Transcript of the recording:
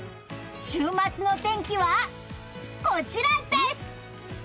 週末の天気はこちらです！